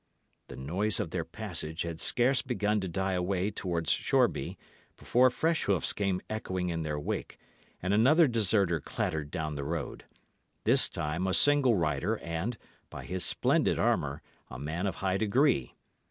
The noise of their passage had scarce begun to die away towards Shoreby, before fresh hoofs came echoing in their wake, and another deserter clattered down the road; this time a single rider and, by his splendid armour, a man of high degree.